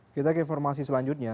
kita ke informasi selanjutnya